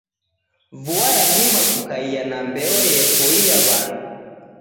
Vua yadima kukaia na mbeo yepoia wandu.